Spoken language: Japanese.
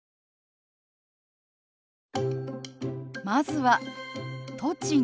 まずは「栃木」。